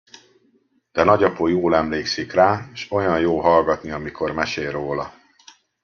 De nagyapó jól emlékszik rá, s olyan jó hallgatni, amikor mesél róla!